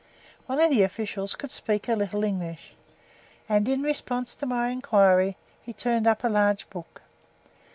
One of the officials could speak a little English, and in response to my enquiry he turned up a large book.